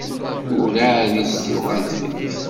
Ur εad i s-d-tuɣal tefrit.